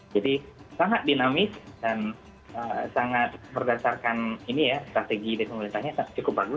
jadi sangat dinamis dan sangat berdasarkan ini ya strategi dari pemerintahnya cukup bagus